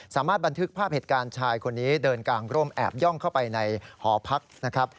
สามารถบันทึกภาพเหตุการณ์ชายคนนี้เดินกลางร่มแอบย่องเข้าไปในหอพักนะครับ